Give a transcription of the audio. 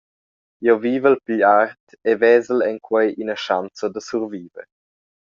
Jeu vivel pigl art e vesel en quei ina schanza da surviver.